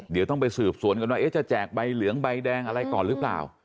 เดี๋ยวต้องไปสืบสวนกันว่าจะแจกใบเหลืองใบแดงอะไรก่อนหรือเปล่า